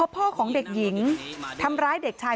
พ่อของเด็กหญิงทำร้ายเด็กชาย